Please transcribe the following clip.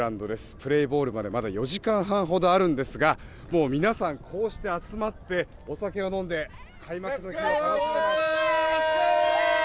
プレーボールまでまだ４時間半ほどあるんですが皆さん、こうして集まってお酒を飲んで開幕の日を楽しみにしています。